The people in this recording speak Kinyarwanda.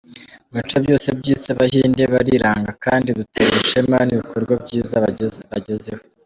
Mu bice byose by’Isi Abahinde bariranga kandi duterwa ishema n’ibikorwa byiza bagezeho.